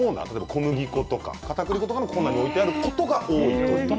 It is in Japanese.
小麦粉やかたくり粉のコーナーに置いてあることが多いです。